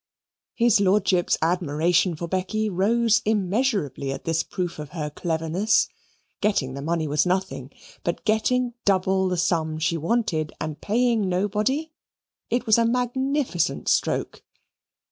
His lordship's admiration for Becky rose immeasurably at this proof of her cleverness. Getting the money was nothing but getting double the sum she wanted, and paying nobody it was a magnificent stroke.